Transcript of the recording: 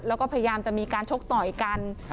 แล้วก็พยายามจะมีการชกต่อยกัน